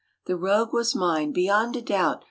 The rogue was mine, beyond a doubt.